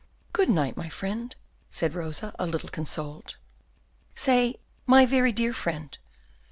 '" "Good night, my friend," said Rosa, a little consoled. "Say, 'My very dear friend.